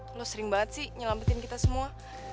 kau sering sekali menyelamatin kita semua